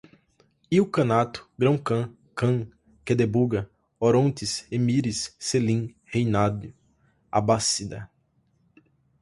ilcanato, grão-cã, khan, Quedebuga, Orontes, emires, Selim, reinado, abássida